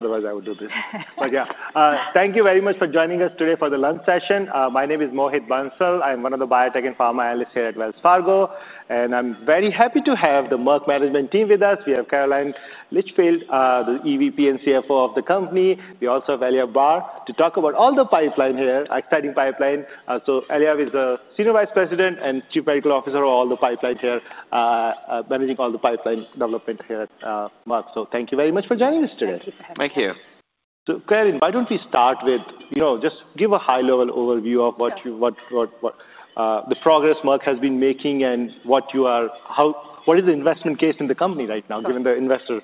... otherwise I would do this. But, yeah, thank you very much for joining us today for the lunch session. My name is Mohit Bansal. I'm one of the biotech and pharma analysts here at Wells Fargo, and I'm very happy to have the Merck management team with us. We have Caroline Litchfield, the EVP and CFO of the company. We also have Eliav Barr to talk about all the pipeline here, exciting pipeline. So Eliav is the Senior Vice President and Chief Medical Officer of all the pipelines here, managing all the pipeline development here at Merck. So thank you very much for joining us today. Thank you for having us. Thank you. So, Caroline, why don't we start with, you know, just give a high-level overview of what- Sure ...you, what the progress Merck has been making and what is the investment case in the company right now? Sure - given the investor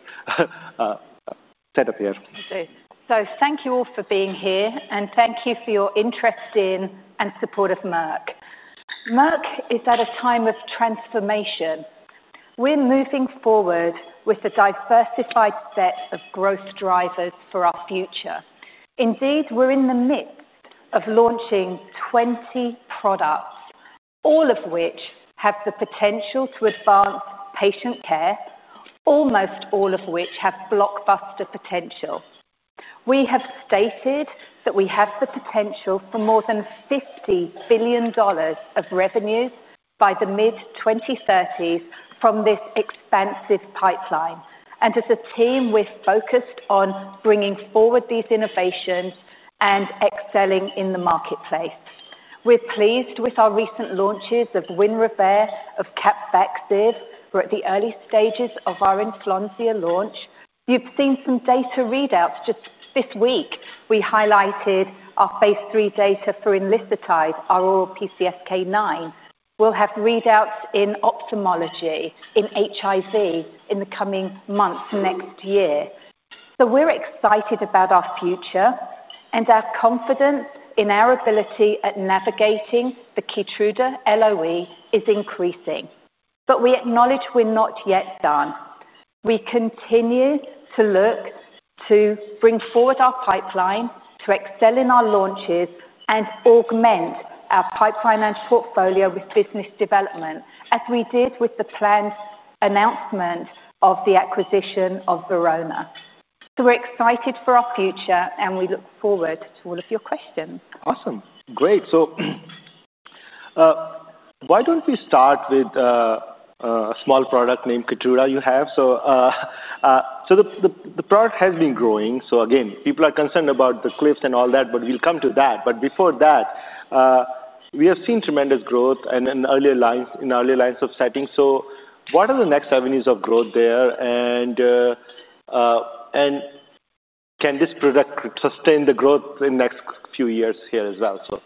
setup here? Okay. So thank you all for being here, and thank you for your interest in and support of Merck. Merck is at a time of transformation. We're moving forward with a diversified set of growth drivers for our future. Indeed, we're in the midst of launching 20 products, all of which have the potential to advance patient care, almost all of which have blockbuster potential. We have stated that we have the potential for more than $50 billion of revenues by the mid-2030s from this expansive pipeline, and as a team, we're focused on bringing forward these innovations and excelling in the marketplace. We're pleased with our recent launches of WINREVAIR, of CAPVAXIVE. We're at the early stages of our ENFLONSIA launch. You've seen some data readouts. Just this week, we highlighted our phase III data for enlicitide, our oral PCSK9. We'll have readouts in ophthalmology, in HIV, in the coming months, next year. So we're excited about our future, and our confidence in our ability at navigating the KEYTRUDA LOE is increasing. But we acknowledge we're not yet done. We continue to look to bring forward our pipeline, to excel in our launches, and augment our pipeline and portfolio with business development, as we did with the planned announcement of the acquisition of Verona. So we're excited for our future, and we look forward to all of your questions. Awesome. Great, so why don't we start with a small product named KEYTRUDA you have? So the product has been growing. So again, people are concerned about the cliffs and all that, but we'll come to that. But before that, we have seen tremendous growth in earlier lines of setting. So what are the next avenues of growth there, and can this product sustain the growth in next few years here as well? So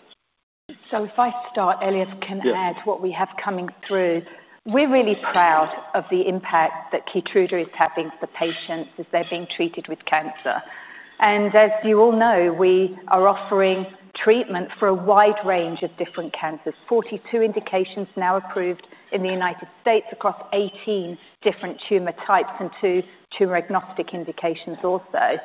if I start, Eliav- Yeah We can add what we have coming through. We're really proud of the impact that KEYTRUDA is having for patients as they're being treated with cancer. And as you all know, we are offering treatment for a wide range of different cancers, 42 indications now approved in the United States across 18 different tumor types and two tumor-agnostic indications also.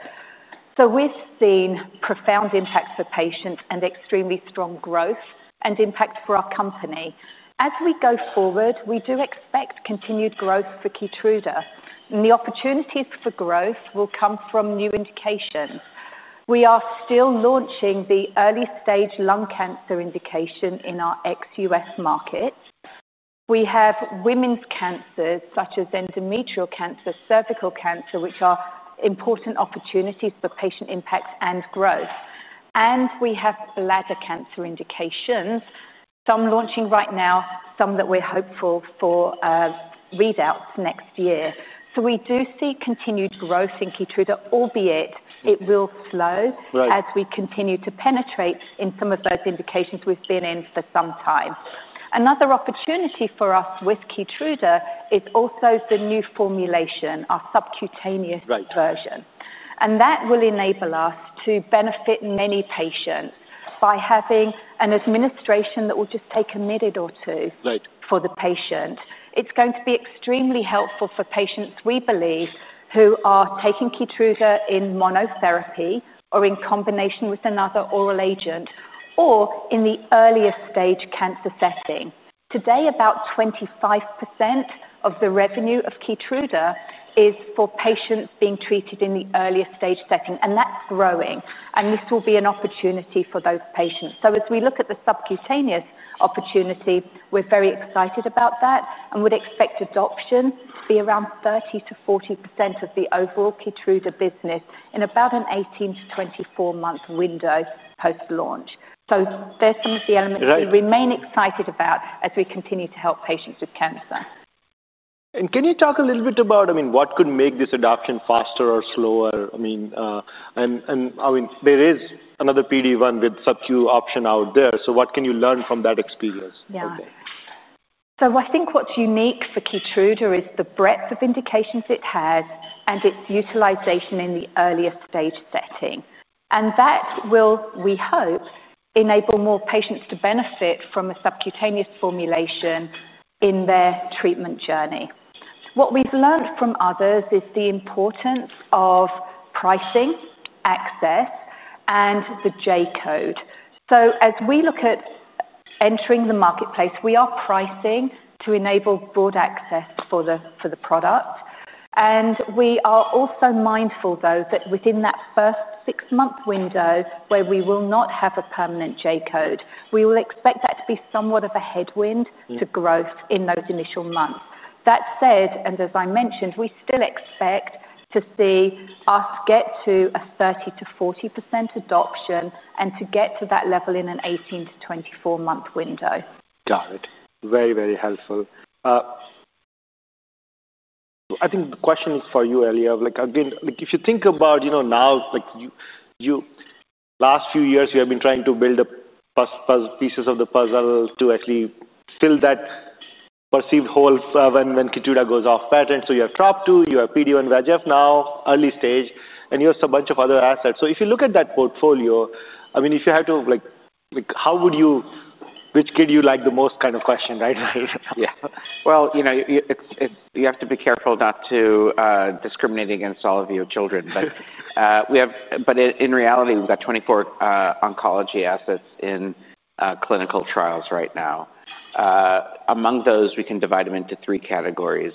So we've seen profound impacts for patients and extremely strong growth and impact for our company. As we go forward, we do expect continued growth for KEYTRUDA, and the opportunities for growth will come from new indications. We are still launching the early-stage lung cancer indication in our ex-U.S. markets. We have women's cancers, such as endometrial cancer, cervical cancer, which are important opportunities for patient impact and growth. And we have bladder cancer indications, some launching right now, some that we're hopeful for, readouts next year. So we do see continued growth in KEYTRUDA, albeit it will slow- Right As we continue to penetrate in some of those indications we've been in for some time. Another opportunity for us with KEYTRUDA is also the new formulation, our subcutaneous- Right version, and that will enable us to benefit many patients by having an administration that will just take a minute or two. Right for the patient. It's going to be extremely helpful for patients, we believe, who are taking KEYTRUDA in monotherapy or in combination with another oral agent or in the earliest stage cancer setting. Today, about 25% of the revenue of KEYTRUDA is for patients being treated in the earliest stage setting, and that's growing, and this will be an opportunity for those patients. So as we look at the subcutaneous opportunity, we're very excited about that and would expect adoption to be around 30%-40% of the overall KEYTRUDA business in about an 18-24-month window post-launch. So there's some of the elements. Right We remain excited about as we continue to help patients with cancer. Can you talk a little bit about, I mean, what could make this adoption faster or slower? I mean, there is another PD-1 with subcu option out there, so what can you learn from that experience? Yeah. So I think what's unique for KEYTRUDA is the breadth of indications it has and its utilization in the earlier stage setting, and that will, we hope, enable more patients to benefit from a subcutaneous formulation in their treatment journey. What we've learned from others is the importance of pricing, access and the J-code, so as we look at entering the marketplace, we are pricing to enable broad access for the product, and we are also mindful, though, that within that first six-month window, where we will not have a permanent J-code, we will expect that to be somewhat of a headwind. Mm-hmm. -to growth in those initial months. That said, and as I mentioned, we still expect to see us get to a 30%-40% adoption and to get to that level in an 18- to 24-month window. Got it. Very, very helpful. I think the question is for you, Eliav. Like, again, like, if you think about, you know, now, like, you last few years, you have been trying to build up pieces of the puzzle to actually fill that perceived hole, when KEYTRUDA goes off patent. So you have TROP2, you have PD-1 VEGF now, early stage, and you have a bunch of other assets. So if you look at that portfolio, I mean, if you had to, like. Like, how would you Which kid you like the most kind of question, right? Yeah. Well, you know, it, you have to be careful not to discriminate against all of your children. But in reality, we've got 24 oncology assets in clinical trials right now. Among those, we can divide them into three categories.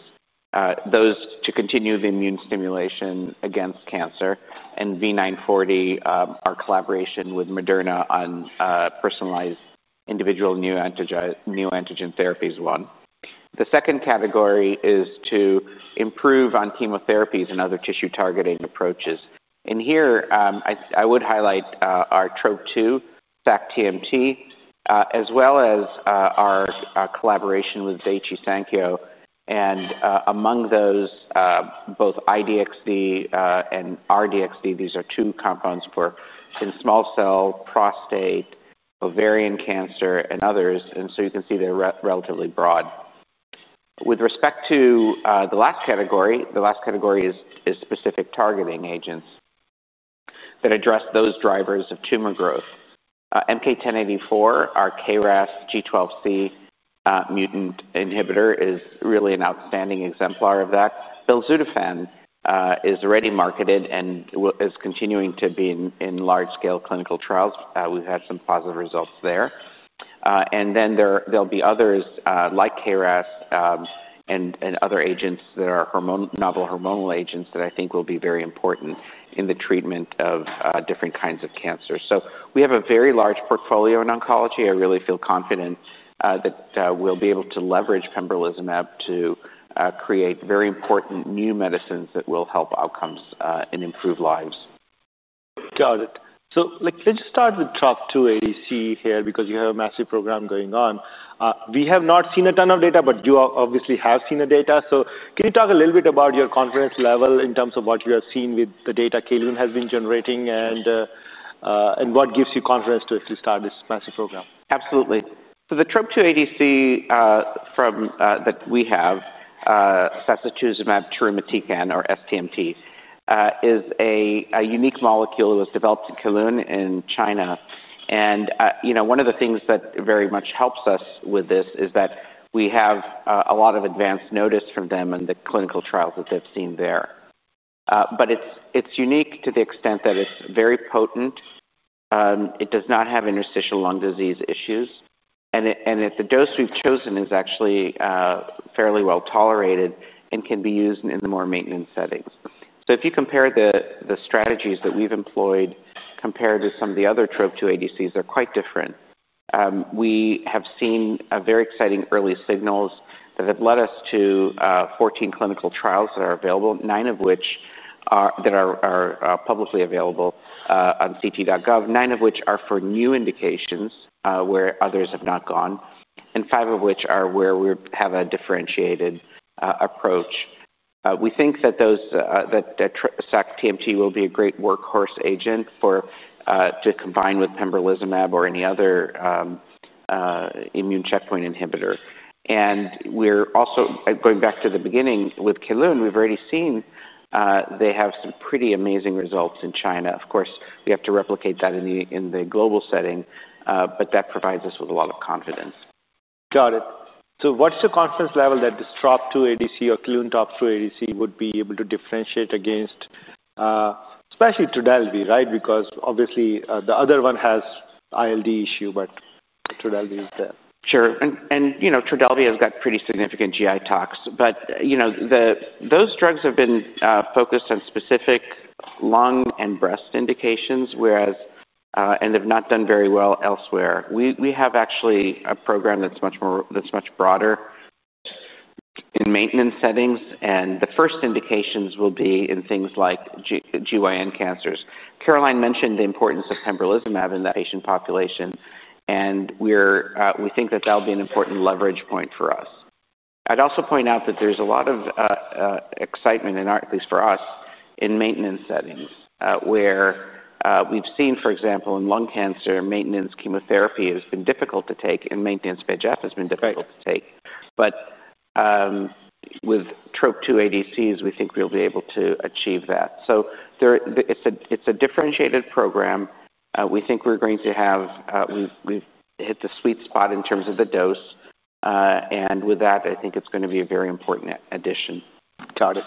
Those to continue the immune stimulation against cancer, and V940, our collaboration with Moderna on personalized individual neoantigen therapy is one. The second category is to improve on chemotherapies and other tissue-targeting approaches, and here, I would highlight our TROP2 sac-TMT, as well as our collaboration with Daiichi Sankyo. Among those, both I-DXd and R-DXd, these are two compounds for small cell, prostate, ovarian cancer, and others, and so you can see they're relatively broad. With respect to the last category, the last category is specific targeting agents that address those drivers of tumor growth. MK-1084, our KRAS G12C mutant inhibitor, is really an outstanding exemplar of that. Belzutifan is already marketed and is continuing to be in large-scale clinical trials. We've had some positive results there. And then there'll be others like KRAS and other agents that are novel hormonal agents that I think will be very important in the treatment of different kinds of cancer. So we have a very large portfolio in oncology. I really feel confident that we'll be able to leverage pembrolizumab to create very important new medicines that will help outcomes and improve lives. Got it. So, like, let's start with TROP2 ADC here because you have a massive program going on. We have not seen a ton of data, but you obviously have seen the data. So can you talk a little bit about your confidence level in terms of what you have seen with the data Kelun has been generating and what gives you confidence to start this massive program? Absolutely. So the TROP2 ADC from that we have sacituzumab tirumotecan, or sTMT, is a unique molecule that was developed in Kelun in China. And you know, one of the things that very much helps us with this is that we have a lot of advance notice from them in the clinical trials that they've seen there. But it's unique to the extent that it's very potent, it does not have interstitial lung disease issues, and that the dose we've chosen is actually fairly well-tolerated and can be used in the more maintenance settings. So if you compare the strategies that we've employed compared to some of the other TROP2 ADCs, they're quite different. We have seen a very exciting early signals that have led us to 14 clinical trials that are available, 9 of which are publicly available on ct.gov. Nine of which are for new indications where others have not gone, and 5 of which are where we have a differentiated approach. We think that those that sac-TMT will be a great workhorse agent for to combine with pembrolizumab or any other immune checkpoint inhibitor. We're also going back to the beginning with Kelun; we've already seen they have some pretty amazing results in China. Of course, we have to replicate that in the global setting, but that provides us with a lot of confidence. Got it. So what's the confidence level that this TROP2 ADC or Kelun TROP2 ADC would be able to differentiate against, especially Trodelvy, right? Because obviously, the other one has ILD issue, but Trodelvy is there. Sure. And you know, Trodelvy has got pretty significant GI tox, but you know, those drugs have been focused on specific lung and breast indications, whereas and have not done very well elsewhere. We have actually a program that's much more, that's much broader in maintenance settings, and the first indications will be in things like GYN cancers. Caroline mentioned the importance of pembrolizumab in that patient population, and we think that that'll be an important leverage point for us. I'd also point out that there's a lot of excitement, at least for us, in maintenance settings, where we've seen, for example, in lung cancer, maintenance chemotherapy has been difficult to take and maintenance VEGF has been difficult- Right. -to take. But with TROP2 ADCs, we think we'll be able to achieve that. So, it's a differentiated program. We think we're going to have, we've hit the sweet spot in terms of the dose, and with that, I think it's gonna be a very important addition. Got it.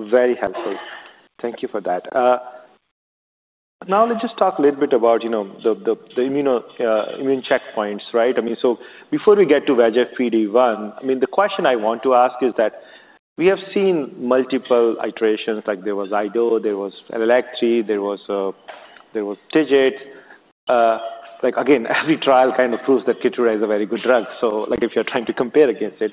Very helpful. Thank you for that. Now let's just talk a little bit about, you know, the immune checkpoints, right? I mean, so before we get to VEGF PD-1, I mean, the question I want to ask is that we have seen multiple iterations, like there was IDO there was LAG-3, there was TIGIT. Like, again, every trial kind of proves that KEYTRUDA is a very good drug, so, like, if you're trying to compare against it.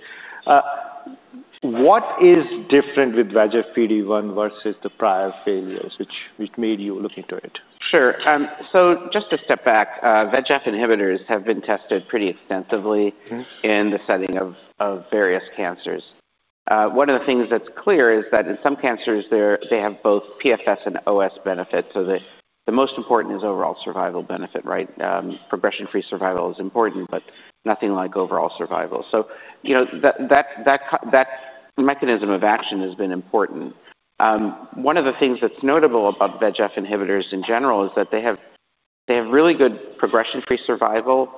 What is different with VEGF PD-1 versus the prior failures, which made you look into it? Sure. So just to step back, VEGF inhibitors have been tested pretty extensively- Mm-hmm. In the setting of various cancers. One of the things that's clear is that in some cancers, they have both PFS and OS benefits, so the most important is overall survival benefit, right? Progression-free survival is important, but nothing like overall survival. So, you know, that mechanism of action has been important. One of the things that's notable about VEGF inhibitors in general is that they have really good progression-free survival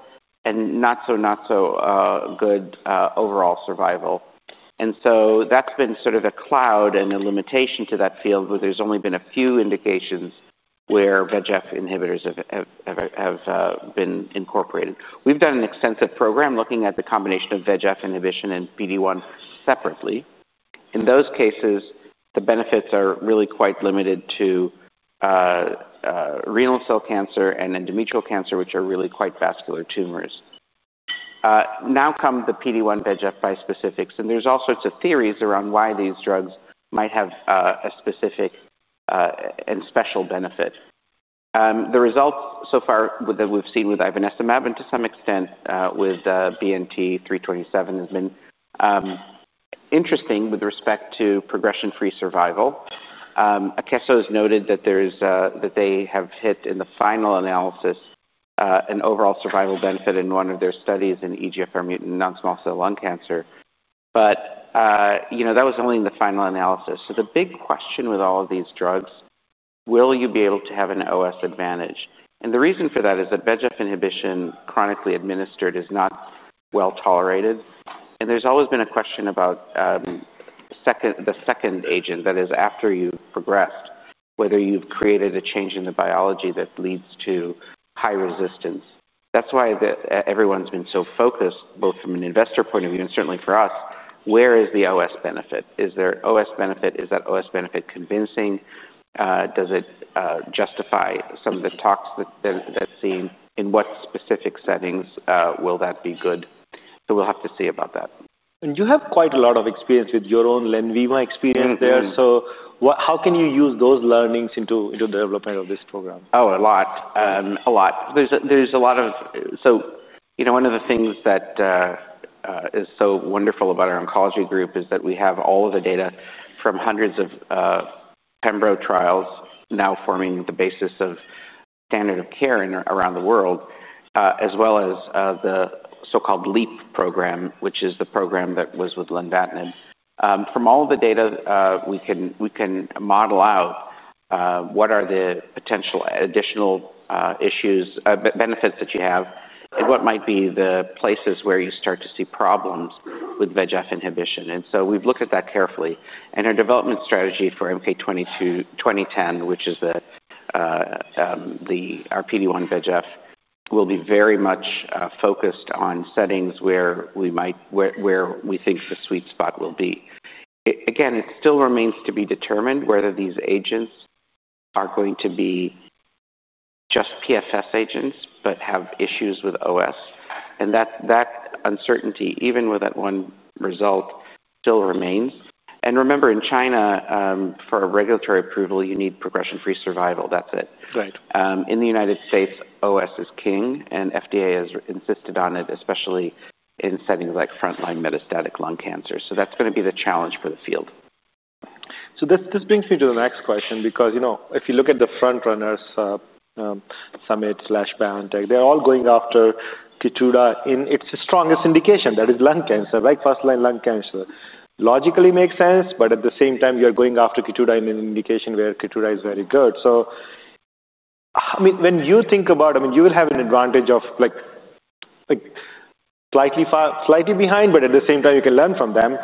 and not so good overall survival. And so that's been sort of a cloud and a limitation to that field, where there's only been a few indications where VEGF inhibitors have been incorporated. We've done an extensive program looking at the combination of VEGF inhibition and PD-1 separately. In those cases, the benefits are really quite limited to renal cell cancer and endometrial cancer, which are really quite vascular tumors. Now come the PD-1 VEGF bispecific, and there's all sorts of theories around why these drugs might have a specific and special benefit. The results so far that we've seen with ivonescimab, and to some extent with BNT327, has been interesting with respect to progression-free survival. Akeso has noted that they have hit, in the final analysis, an overall survival benefit in one of their studies in EGFR mutant non-small cell lung cancer. But you know, that was only in the final analysis, so the big question with all of these drugs: Will you be able to have an OS advantage? The reason for that is that VEGF inhibition, chronically administered, is not well tolerated. There's always been a question about second, the second agent, that is, after you've progressed, whether you've created a change in the biology that leads to high resistance. That's why everyone's been so focused, both from an investor point of view and certainly for us, where is the OS benefit? Is there OS benefit? Is that OS benefit convincing? Does it justify some of the tox that's seen? In what specific settings will that be good? We'll have to see about that. You have quite a lot of experience with your own LENVIMA experience there. Mm-hmm. So how can you use those learnings into the development of this program? Oh, a lot. A lot. There's a lot of. So, you know, one of the things that is so wonderful about our oncology group is that we have all of the data from hundreds of pembro trials now forming the basis of standard of care in and around the world, as well as the so-called LEAP program, which is the program that was with Lenvatinib. From all the data, we can model out what are the potential additional benefits that you have, and what might be the places where you start to see problems with VEGF inhibition. And so we've looked at that carefully, and our development strategy for MK-210, which is our PD-1 VEGF, will be very much focused on settings where we might, where we think the sweet spot will be. Again, it still remains to be determined whether these agents are going to be just PFS agents but have issues with OS, and that uncertainty, even with that one result, still remains. And remember, in China, for a regulatory approval, you need progression-free survival. That's it. Right. In the United States, OS is king, and FDA has insisted on it, especially in settings like frontline metastatic lung cancer. So that's gonna be the challenge for the field. So this brings me to the next question because, you know, if you look at the front runners, Summit/BioNTech, they're all going after KEYTRUDA in its strongest indication, that is lung cancer, right? First-line lung cancer. Logically makes sense, but at the same time, you're going after KEYTRUDA in an indication where KEYTRUDA is very good. So, I mean, when you think about it, I mean, you will have an advantage of, like, slightly behind, but at the same time, you can learn from them.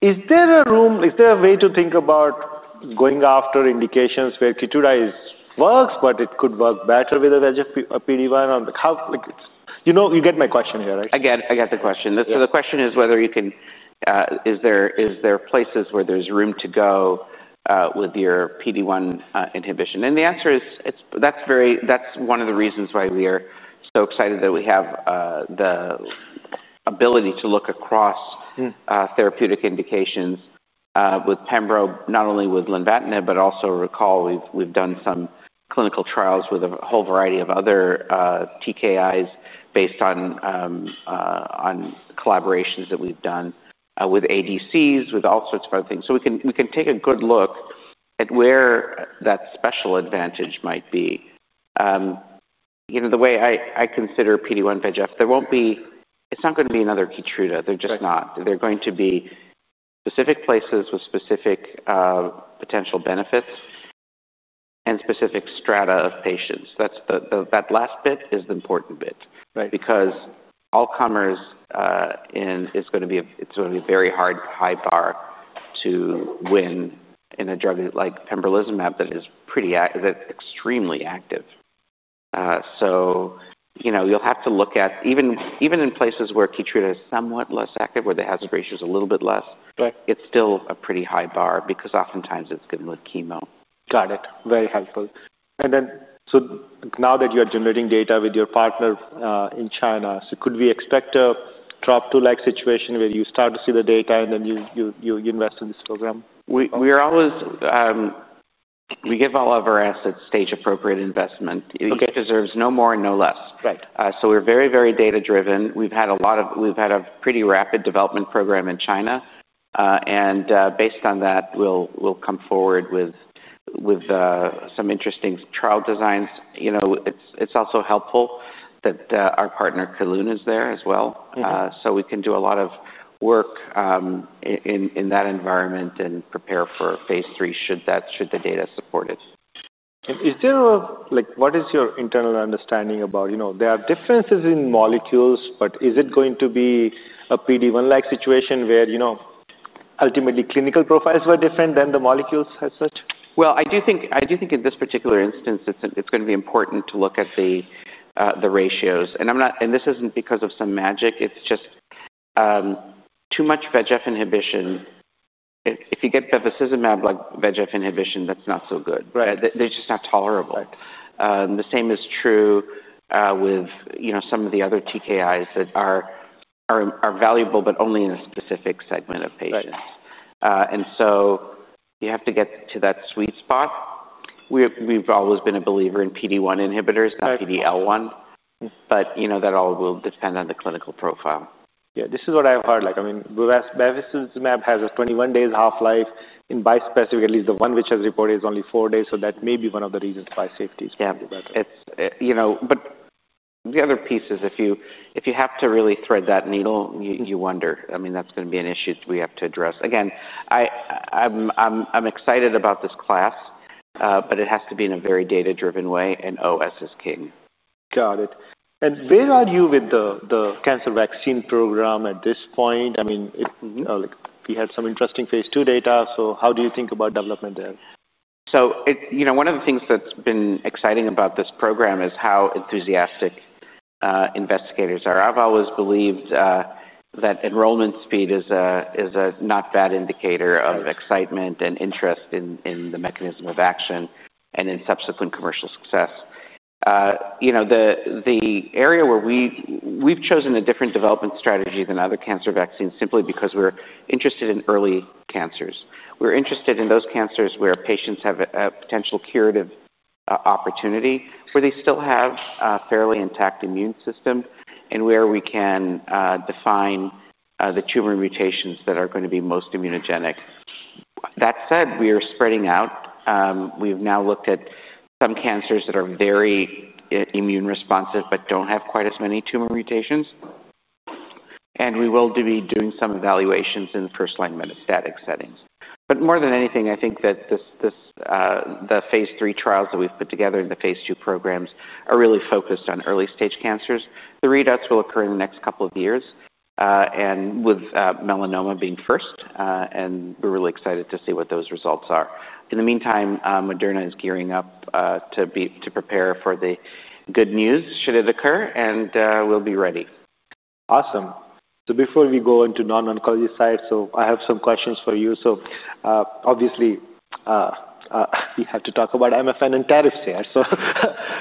Is there a room, is there a way to think about going after indications where KEYTRUDA is, works, but it could work better with a VEGF, a PD-1? How, like... You know, you get my question here, right? I get the question. Yeah. So the question is, is there places where there's room to go with your PD-1 inhibition? And the answer is, it's... That's one of the reasons why we are so excited that we have the ability to look across- Mm... therapeutic indications, with pembro, not only with Lenvatinib, but also recall we've done some clinical trials with a whole variety of other TKIs based on collaborations that we've done, with ADCs, with all sorts of other things. So we can take a good look at where that special advantage might be. You know, the way I consider PD-1 VEGF, there won't be. It's not gonna be another KEYTRUDA. Right. They're just not. They're going to be specific places with specific potential benefits and specific strata of patients. That's the—that last bit is the important bit. Right. Because all comers, it's gonna be a very hard, high bar to win in a drug like pembrolizumab that is pretty active. That's extremely active. So, you know, you'll have to look at even in places where KEYTRUDA is somewhat less active, where the hazard ratio is a little bit less- Right. -it's still a pretty high bar because oftentimes it's good with chemo. Got it. Very helpful. And then, so now that you are generating data with your partner in China, so could we expect a drop two-like situation where you start to see the data, and then you invest in this program? We are always. We give all of our assets stage-appropriate investment. Okay. It deserves no more and no less. Right. So we're very, very data-driven. We've had a pretty rapid development program in China, and based on that, we'll come forward with some interesting trial designs. You know, it's also helpful that our partner, Kelun, is there as well. Mm-hmm. So we can do a lot of work in that environment and prepare for phase III, should the data support it. Like, what is your internal understanding about... You know, there are differences in molecules, but is it going to be a PD-1-like situation where, you know, ultimately clinical profiles were different than the molecules as such? I do think in this particular instance, it's gonna be important to look at the ratios, and this isn't because of some magic. It's just too much VEGF inhibition. If you get bevacizumab-like VEGF inhibition, that's not so good. Right. They're just not tolerable. Right. And the same is true with, you know, some of the other TKIs that are valuable, but only in a specific segment of patients. Right. And so you have to get to that sweet spot. We've always been a believer in PD-1 inhibitors- Right. Not PD-L1, but, you know, that all will depend on the clinical profile. Yeah, this is what I've heard. Like, I mean, bevacizumab has a 21 days half-life, and bispecific, at least the one which has reported, is only 4 days, so that may be one of the reasons why safety is probably better. Yeah. It's... You know, but the other piece is if you have to really thread that needle, you wonder. I mean, that's gonna be an issue we have to address. Again, I'm excited about this class, but it has to be in a very data-driven way, and OS is king. Got it. Yeah. Where are you with the cancer vaccine program at this point? I mean, like, we had some interesting phase II data, so how do you think about development there? You know, one of the things that's been exciting about this program is how enthusiastic investigators are. I've always believed that enrollment speed is a not bad indicator- Right -of excitement and interest in the mechanism of action and in subsequent commercial success. You know, the area where we've... We've chosen a different development strategy than other cancer vaccines simply because we're interested in early cancers. We're interested in those cancers where patients have a potential curative opportunity, where they still have a fairly intact immune system, and where we can define the tumor mutations that are going to be most immunogenic. That said, we are spreading out. We've now looked at some cancers that are very immune responsive but don't have quite as many tumor mutations, and we will be doing some evaluations in first-line metastatic settings. But more than anything, I think that this the phase III trials that we've put together and the phase II programs are really focused on early-stage cancers. The readouts will occur in the next couple of years, and with melanoma being first, and we're really excited to see what those results are. In the meantime, Moderna is gearing up to prepare for the good news, should it occur, and we'll be ready. Awesome. So before we go into non-oncology side, so I have some questions for you. So, obviously, we have to talk about MFN and tariffs here. So,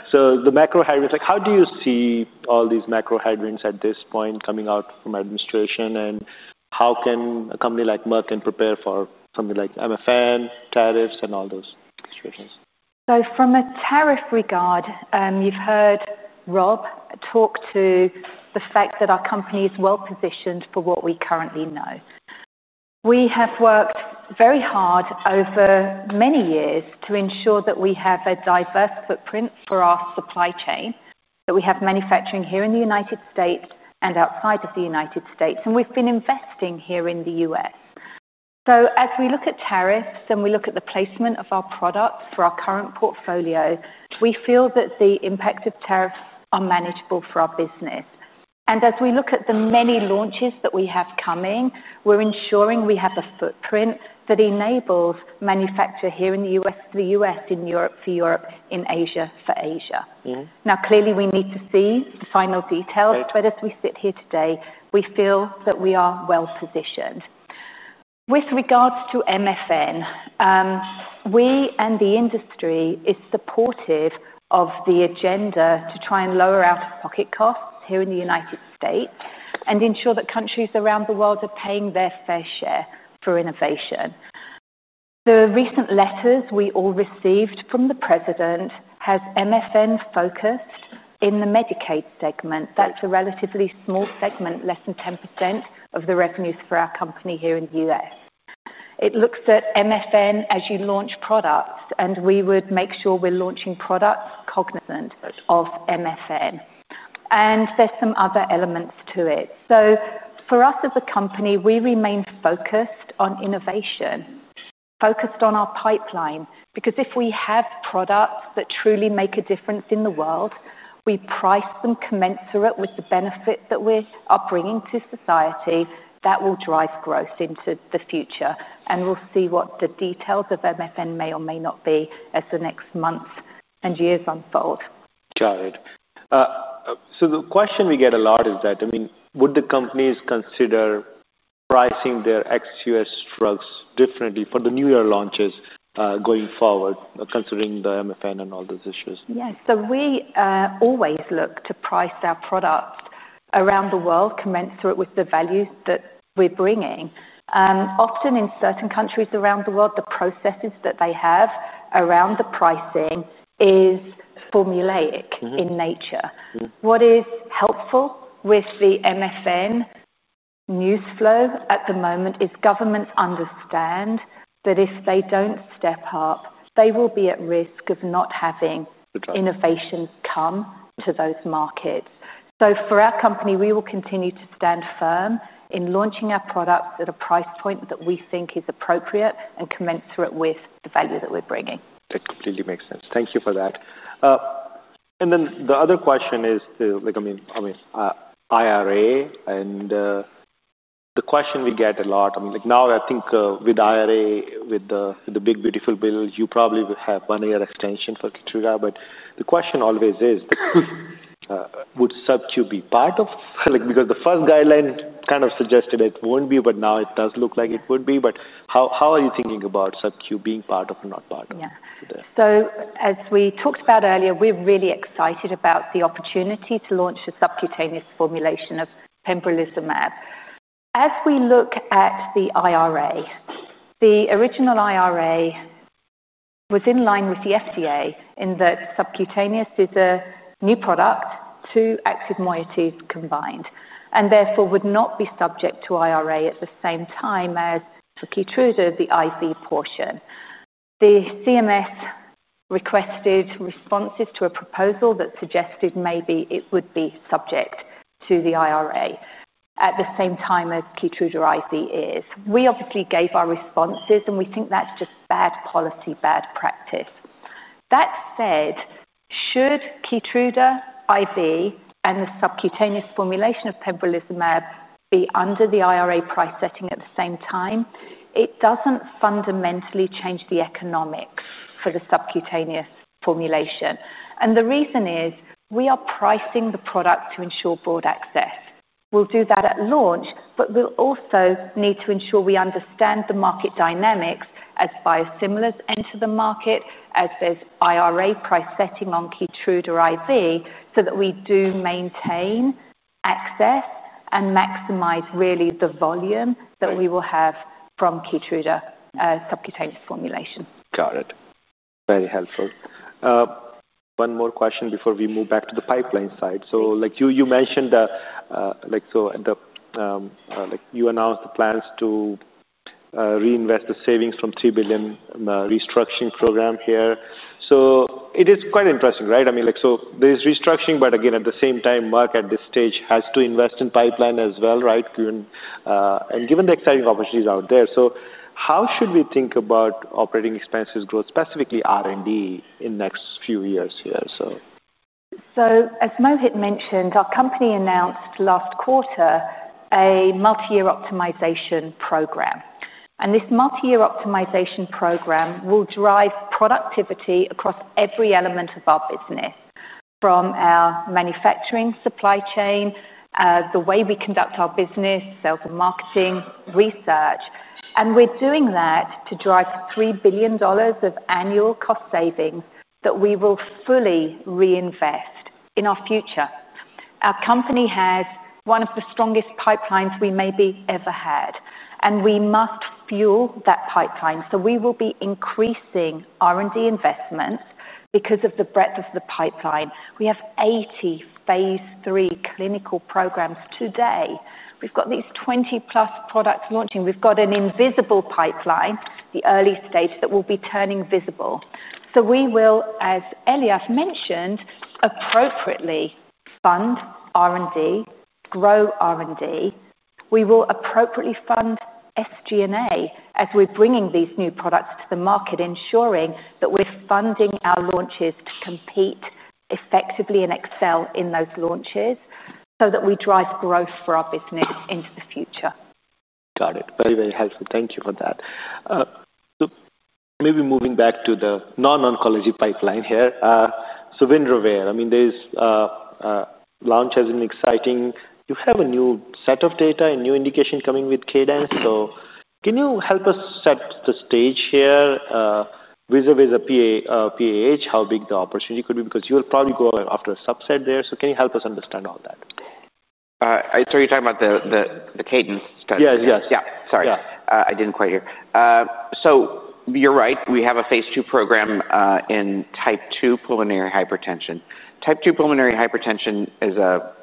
so the macro environment. Like, how do you see all these macro environment at this point coming out from administration, and how can a company like Merck can prepare for something like MFN, tariffs, and all those situations? From a tariff regard, you've heard Rob talk to the fact that our company is well-positioned for what we currently know. We have worked very hard over many years to ensure that we have a diverse footprint for our supply chain, that we have manufacturing here in the United States and outside of the United States, and we've been investing here in the U.S. As we look at tariffs and we look at the placement of our products for our current portfolio, we feel that the impact of tariffs are manageable for our business. As we look at the many launches that we have coming, we're ensuring we have a footprint that enables manufacture here in the U.S., for the U.S., in Europe, for Europe, in Asia, for Asia. Mm-hmm. Now, clearly, we need to see the final details. Right. But as we sit here today, we feel that we are well positioned. With regards to MFN, we and the industry is supportive of the agenda to try and lower out-of-pocket costs here in the United States and ensure that countries around the world are paying their fair share for innovation. The recent letters we all received from the President has MFN focused in the Medicaid segment. Right. That's a relatively small segment, less than 10% of the revenues for our company here in the U.S. It looks at MFN as you launch products, and we would make sure we're launching products cognizant- Right MFN. And there's some other elements to it. So for us, as a company, we remain focused on innovation, focused on our pipeline, because if we have products that truly make a difference in the world, we price them commensurate with the benefit that we're bringing to society, that will drive growth into the future. And we'll see what the details of MFN may or may not be as the next months and years unfold. Got it. So the question we get a lot is that, I mean, would the companies consider pricing their ex-US drugs differently for the new year launches, going forward, considering the MFN and all those issues? Yes, so we always look to price our products around the world commensurate with the value that we're bringing. Often in certain countries around the world, the processes that they have around the pricing is formulaic- Mm-hmm. in nature. What is helpful with the MFN news flow at the moment is governments understand that if they don't step up, they will be at risk of not having- Okay... innovation come to those markets. So for our company, we will continue to stand firm in launching our products at a price point that we think is appropriate and commensurate with the value that we're bringing. That completely makes sense. Thank you for that. And then the other question is, like, I mean, IRA, and the question we get a lot, like, now, I think, with IRA, with the big, beautiful bill, you probably will have one-year extension for KEYTRUDA, but the question always is, would sub-Q be part of? Like, because the first guideline kind of suggested it won't be, but now it does look like it would be. But how are you thinking about sub-Q being part of or not part of? Yeah. Yeah. So as we talked about earlier, we're really excited about the opportunity to launch a subcutaneous formulation of pembrolizumab. As we look at the IRA, the original IRA was in line with the FDA, in that subcutaneous is a new product, two active moieties combined, and therefore would not be subject to IRA at the same time as for KEYTRUDA, the IV portion. The CMS requested responses to a proposal that suggested maybe it would be subject to the IRA at the same time as KEYTRUDA IV is. We obviously gave our responses, and we think that's just bad policy, bad practice. That said, should KEYTRUDA IV and the subcutaneous formulation of pembrolizumab be under the IRA price setting at the same time, it doesn't fundamentally change the economics for the subcutaneous formulation. And the reason is, we are pricing the product to ensure broad access. We'll do that at launch, but we'll also need to ensure we understand the market dynamics as biosimilars enter the market, as there's IRA price setting on KEYTRUDA IV, so that we do maintain access and maximize really the volume- Right... that we will have from KEYTRUDA, subcutaneous formulation. Got it. Very helpful. One more question before we move back to the pipeline side. So, like, you mentioned, like, you announced the plans to reinvest the savings from $3 billion restructuring program here. So it is quite interesting, right? I mean, like, so there's restructuring, but again, at the same time, Merck, at this stage, has to invest in pipeline as well, right? Given the exciting opportunities out there. So how should we think about operating expenses growth, specifically R&D, in next few years here? So as Mohit mentioned, our company announced last quarter a multi-year optimization program, and this multi-year optimization program will drive productivity across every element of our business, from our manufacturing, supply chain, the way we conduct our business, sales and marketing, research. And we're doing that to drive $3 billion of annual cost savings that we will fully reinvest in our future. Our company has one of the strongest pipelines we maybe ever had, and we must fuel that pipeline. So we will be increasing R&D investments because of the breadth of the pipeline. We have 80 phase III clinical programs today. We've got these 20-plus products launching. We've got an invisible pipeline, the early stage, that will be turning visible. So we will, as Eliav mentioned, appropriately fund R&D, grow R&D. We will appropriately fund SG&A as we're bringing these new products to the market, ensuring that we're funding our launches to compete effectively and excel in those launches so that we drive growth for our business into the future. Got it. Very, very helpful. Thank you for that. So maybe moving back to the non-oncology pipeline here, so WINREVAIR, I mean, the launch has been exciting. You have a new set of data and new indication coming with Cadence. So can you help us set the stage here, vis-à-vis the PAH, how big the opportunity could be? Because you'll probably go after a subset there, so can you help us understand all that? So you're talking about the Cadence study? Yes, yes. Yeah. Sorry. Yeah. I didn't quite hear, so you're right. We have a phase II program in type two pulmonary hypertension. Type two pulmonary hypertension is a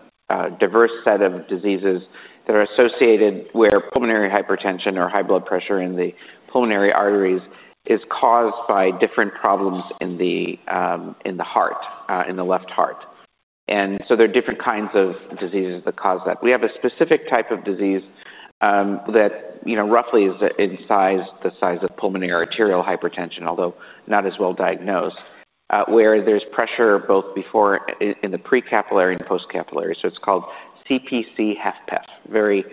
diverse set of diseases that are associated where pulmonary hypertension or high blood pressure in the pulmonary arteries is caused by different problems in the heart in the left heart, and so there are different kinds of diseases that cause that. We have a specific type of disease that you know roughly is in size the size of pulmonary arterial hypertension although not as well diagnosed where there's pressure both before in the precapillary and postcapillary. So it's called CPC-HFpEF. Very,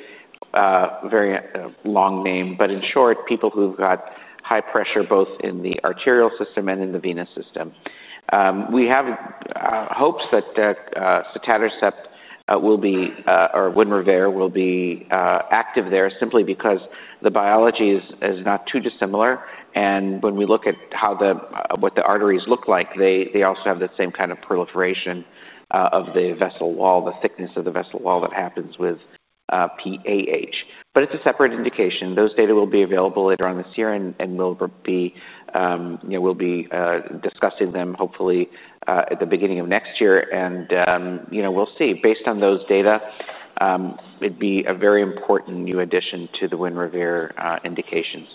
very long name, but in short, people who've got high pressure both in the arterial system and in the venous system. We have hopes that sotatercept or WINREVAIR will be active there simply because the biology is not too dissimilar, and when we look at what the arteries look like, they also have the same kind of proliferation of the vessel wall, the thickness of the vessel wall that happens with PAH, but it's a separate indication. Those data will be available later on this year and we'll be you know discussing them hopefully at the beginning of next year. You know, we'll see. Based on those data, it'd be a very important new addition to the WINREVAIR indications.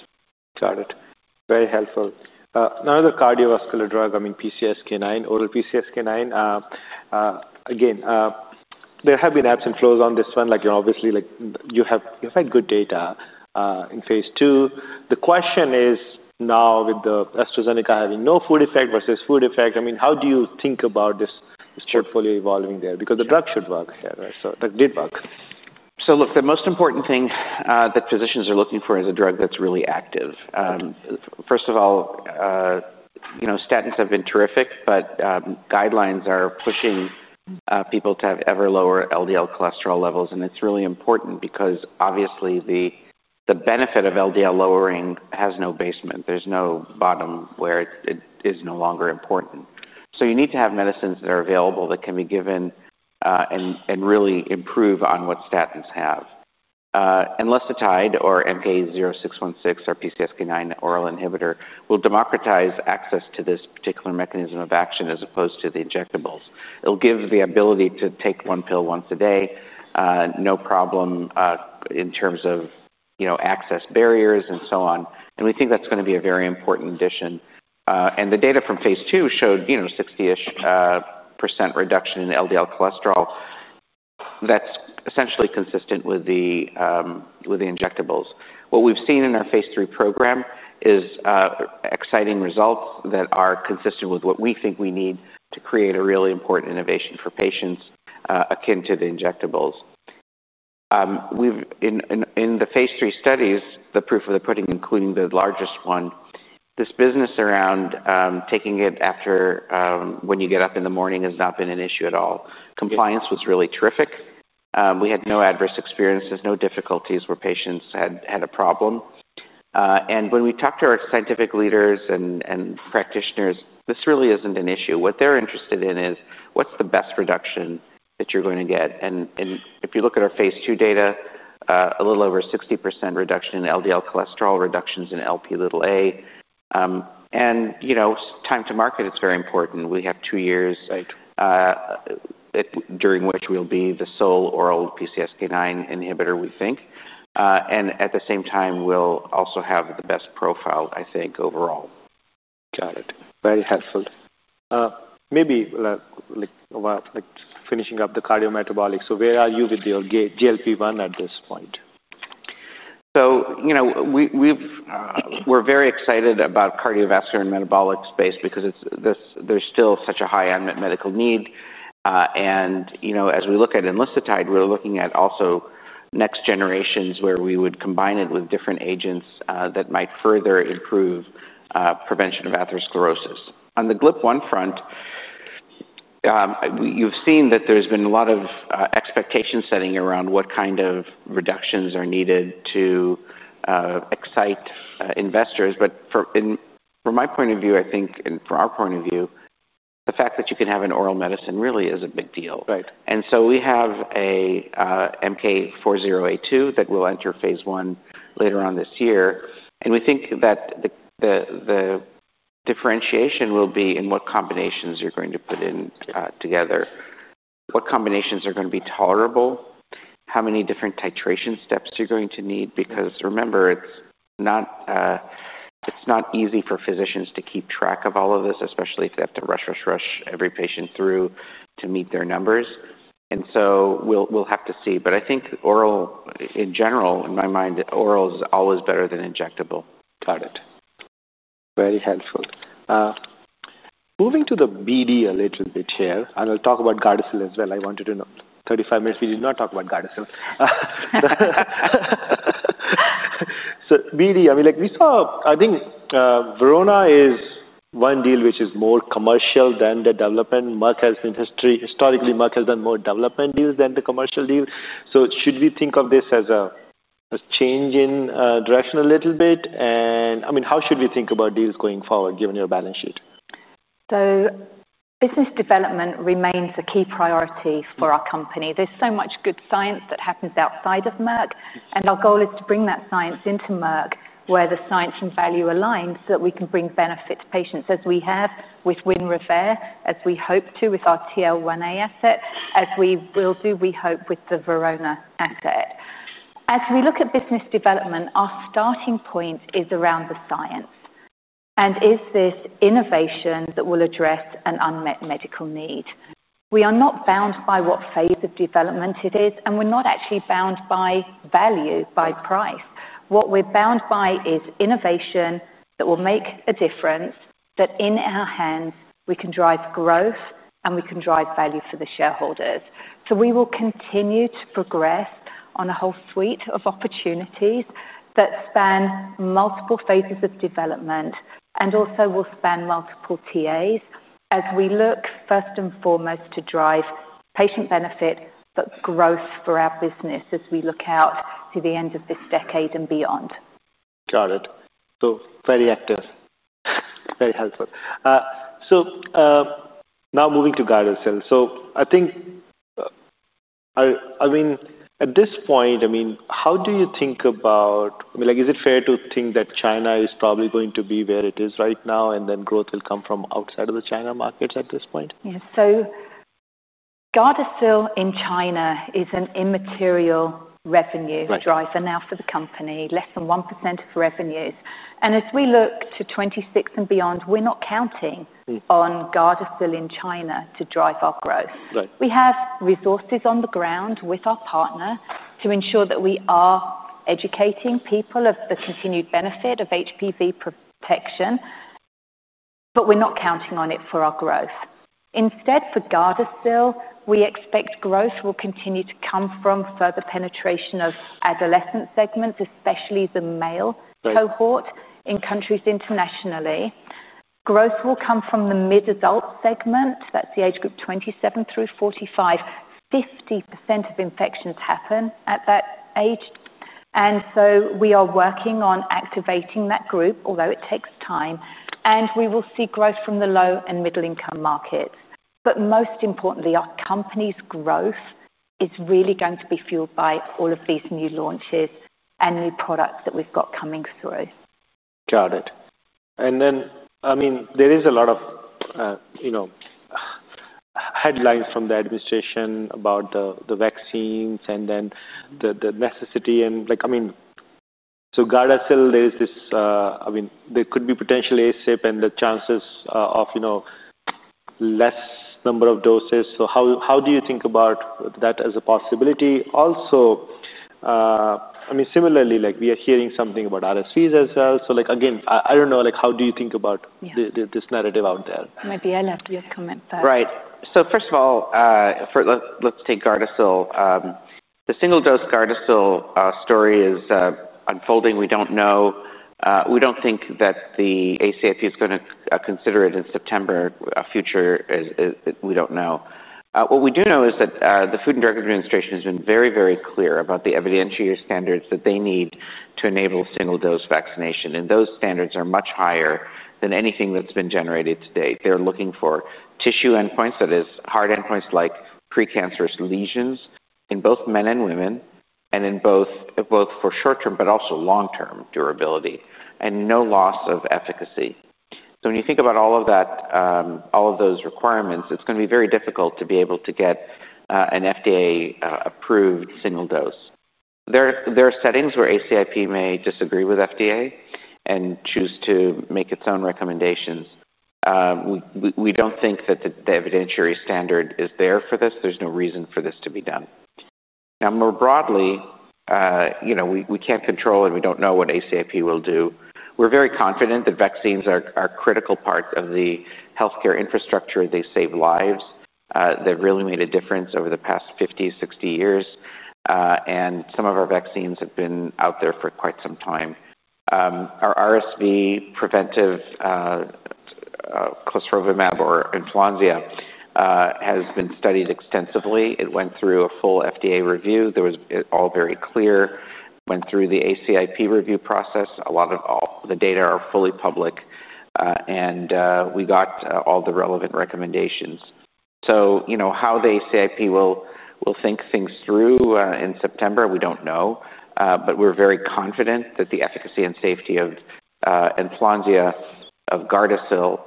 Got it. Very helpful. Another cardiovascular drug, I mean, PCSK9, oral PCSK9. Again, there have been ebbs and flows on this one. Like, obviously, like, you've had good data in phase II. The question is now with the AstraZeneca having no food effect versus food effect. I mean, how do you think about this, this carefully evolving there? Because the drug should work, yeah, so, but did work. So look, the most important thing that physicians are looking for is a drug that's really active. Okay. First of all, you know, statins have been terrific, but guidelines are pushing people to have ever lower LDL cholesterol levels, and it's really important because, obviously, the benefit of LDL lowering has no basement. There's no bottom where it is no longer important. So you need to have medicines that are available that can be given and really improve on what statins have. Enlicitide or MK-0616 or PCSK9 oral inhibitor will democratize access to this particular mechanism of action as opposed to the injectables. It'll give the ability to take one pill once a day, no problem, in terms of, you know, access barriers and so on, and we think that's going to be a very important addition. And the data from phase II showed, you know, sixtyish% reduction in LDL cholesterol. That's essentially consistent with the injectables. What we've seen in our phase III program is exciting results that are consistent with what we think we need to create a really important innovation for patients, akin to the injectables. In the phase III studies, the proof of the pudding, including the largest one, this business around taking it after when you get up in the morning, has not been an issue at all. Yeah. Compliance was really terrific. We had no adverse experiences, no difficulties where patients had a problem, and when we talked to our scientific leaders and practitioners, this really isn't an issue. What they're interested in is, what's the best reduction that you're going to get? And if you look at our phase II data, a little over 60% reduction in LDL cholesterol, reductions in Lp(a), and you know, time to market, it's very important. We have two years- Right. During which we'll be the sole oral PCSK9 inhibitor, we think, and at the same time, we'll also have the best profile, I think, overall. Got it. Very helpful. Maybe, like, finishing up the cardiometabolic. So where are you with your GLP-1 at this point? So, you know, we're very excited about cardiovascular and metabolic space because there's still such a high unmet medical need. And, you know, as we look at enlicitide, we're looking at also next generations where we would combine it with different agents that might further improve prevention of atherosclerosis. On the GLP-1 front, you've seen that there's been a lot of expectation setting around what kind of reductions are needed to excite investors. But from my point of view, I think, and from our point of view, the fact that you can have an oral medicine really is a big deal. Right. We have a MK-4082 that will enter phase I later on this year, and we think that the differentiation will be in what combinations you're going to put in together. What combinations are going to be tolerable? How many different titration steps you're going to need? Because remember, it's not easy for physicians to keep track of all of this, especially if they have to rush, rush, rush every patient through to meet their numbers. We'll have to see. I think oral, in general, in my mind, oral is always better than injectable. Got it. Very helpful. Moving to the BD a little bit here, and I'll talk about GARDASIL as well. I wanted to know. 35 minutes, we did not talk about GARDASIL. So BD, I mean, like we saw, I think, Verona is one deal which is more commercial than the development. Merck has been historically, Merck has done more development deals than the commercial deals. So should we think of this as a change in direction a little bit? And, I mean, how should we think about deals going forward, given your balance sheet? Business development remains a key priority for our company. There's so much good science that happens outside of Merck, and our goal is to bring that science into Merck, where the science and value aligns, so that we can bring benefit to patients as we have with WINREVAIR, as we hope to with our TL1A asset, as we will do, we hope, with the Verona asset. As we look at business development, our starting point is around the science, and is this innovation that will address an unmet medical need? We are not bound by what phase of development it is, and we're not actually bound by value, by price. What we're bound by is innovation that will make a difference, that in our hands, we can drive growth, and we can drive value for the shareholders. So we will continue to progress on a whole suite of opportunities that span multiple phases of development and also will span multiple TAs as we look first and foremost to drive patient benefit, but growth for our business as we look out to the end of this decade and beyond. Got it. So very active, very helpful. So, now moving to GARDASIL. So I think, I mean, at this point, I mean, how do you think about, I mean, like, is it fair to think that China is probably going to be where it is right now, and then growth will come from outside of the China markets at this point? Yes, so Gardasil in China is an immaterial revenue- Right -driver now for the company, less than 1% of revenues. And as we look to 2026 and beyond, we're not counting- Mm. -on GARDASIL in China to drive our growth. Right. We have resources on the ground with our partner to ensure that we are educating people of the continued benefit of HPV protection, but we're not counting on it for our growth. Instead, for Gardasil, we expect growth will continue to come from further penetration of adolescent segments, especially the male- Right Cohort in countries internationally. Growth will come from the mid-adult segment, that's the age group 27 through 45. 50% of infections happen at that age, and so we are working on activating that group, although it takes time, and we will see growth from the low and middle-income markets. But most importantly, our company's growth is really going to be fueled by all of these new launches and new products that we've got coming through. Got it. And then, I mean, there is a lot of, you know, headlines from the administration about the vaccines and then the necessity and... Like, I mean, so GARDASIL, there is this, I mean, there could be potential ACIP and the chances of, you know, less number of doses. So how do you think about that as a possibility? Also, I mean, similarly, like, we are hearing something about RSVs as well. So, like, again, I don't know, like, how do you think about- Yeah This narrative out there? Maybe I'll have you comment first. Right. So first of all, let's take Gardasil. The single-dose Gardasil story is unfolding. We don't know. We don't think that the ACIP is gonna consider it in September. In the future, we don't know. What we do know is that the Food and Drug Administration has been very, very clear about the evidentiary standards that they need to enable single-dose vaccination, and those standards are much higher than anything that's been generated to date. They're looking for clinical endpoints, that is, hard endpoints like precancerous lesions in both men and women, and in both for short-term but also long-term durability, and no loss of efficacy. So when you think about all of that, all of those requirements, it's gonna be very difficult to be able to get an FDA-approved single dose. There are settings where ACIP may disagree with FDA and choose to make its own recommendations. We don't think that the evidentiary standard is there for this. There's no reason for this to be done. Now, more broadly, you know, we can't control and we don't know what ACIP will do. We're very confident that vaccines are a critical part of the healthcare infrastructure. They save lives. They've really made a difference over the past fifty, sixty years, and some of our vaccines have been out there for quite some time. Our RSV preventive, clesrovimab or ENFLONSIA, has been studied extensively. It went through a full FDA review. It was all very clear. It went through the ACIP review process. A lot of all the data are fully public, and we got all the relevant recommendations. You know, how the ACIP will think things through in September, we don't know, but we're very confident that the efficacy and safety of ENFLONSIA, of Gardasil,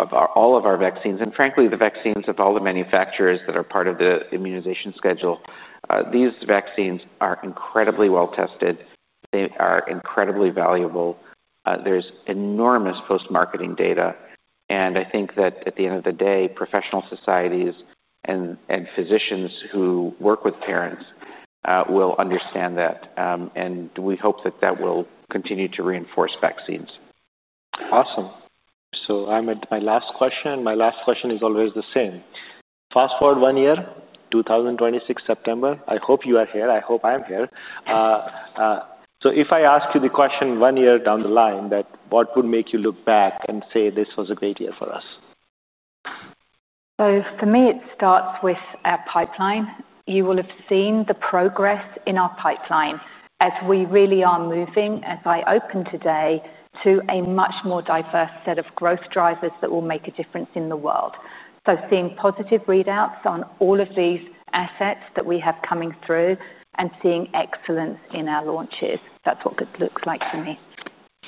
of our all of our vaccines, and frankly, the vaccines of all the manufacturers that are part of the immunization schedule, these vaccines are incredibly well-tested. They are incredibly valuable. There's enormous post-marketing data, and I think that at the end of the day, professional societies and physicians who work with parents will understand that, and we hope that that will continue to reinforce vaccines. Awesome, so I'm at my last question, and my last question is always the same. Fast-forward one year, two thousand twenty-six September, I hope you are here, I hope I'm here. So if I ask you the question one year down the line, that what would make you look back and say, "This was a great year for us? So for me, it starts with our pipeline. You will have seen the progress in our pipeline as we really are moving, as I opened today, to a much more diverse set of growth drivers that will make a difference in the world. So seeing positive readouts on all of these assets that we have coming through and seeing excellence in our launches, that's what this looks like to me,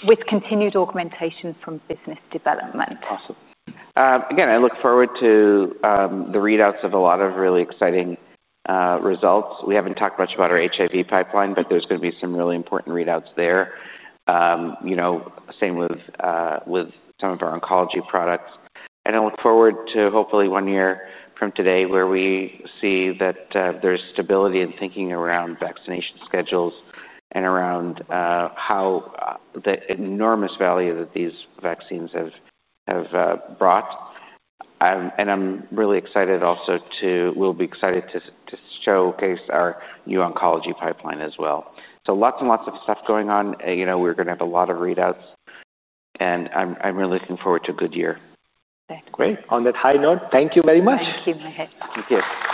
with continued augmentation from business development. Awesome. Again, I look forward to the readouts of a lot of really exciting results. We haven't talked much about our HIV pipeline, but there's gonna be some really important readouts there. You know, same with some of our oncology products. And I look forward to, hopefully one year from today, where we see that there's stability in thinking around vaccination schedules and around how the enormous value that these vaccines have brought. And I'm really excited also to... We'll be excited to showcase our new oncology pipeline as well. So lots and lots of stuff going on. You know, we're gonna have a lot of readouts, and I'm really looking forward to a good year. Okay. Great. On that high note, thank you very much. Thank you, Mohit. Thank you.